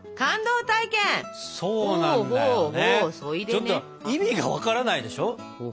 ちょっと意味が分からないでしょ？